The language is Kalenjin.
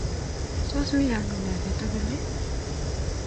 Tos mi amune age tugul ii?